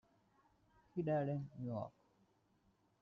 He died in New York.